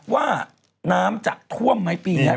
ว่าน้ำจะท่วมไหมปีนี้